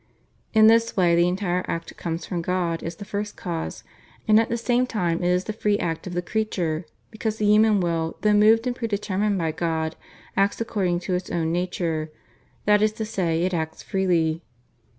In this way the entire act comes from God as the First Cause, and at the same time it is the free act of the creature, because the human will though moved and predetermined by God acts according to its own nature, that is to say, it acts freely.